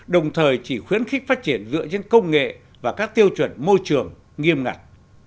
đồng thời chỉ khuyến khích phát triển dựa trên công nghệ và các tiêu chuẩn môi trường nghiêm ngặt